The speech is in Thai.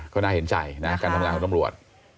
ก็น่าเห็นใจนะการทำงานของตำรวจ